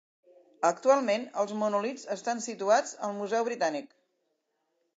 Actualment els monòlits estan situats al Museu Britànic.